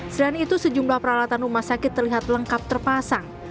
selain itu sejumlah peralatan rumah sakit terlihat lengkap terpasang